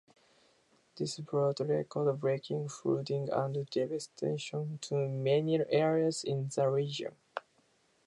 This brought record breaking flooding and devastation to many areas in the region.